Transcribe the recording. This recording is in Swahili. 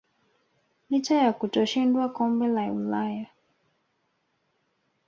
licha ya kutoshindwa kombe la Ulaya